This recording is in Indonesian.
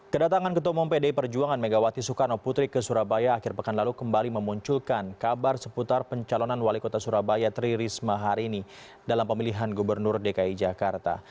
kedatangan ketua umum pdi perjuangan megawati soekarno putri ke surabaya akhir pekan lalu kembali memunculkan kabar seputar pencalonan wali kota surabaya tri risma hari ini dalam pemilihan gubernur dki jakarta